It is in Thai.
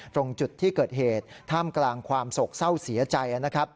ตรงจุดที่เกิดเหตุท่ามกลางความโศกเศร้าเสียใจนะครับ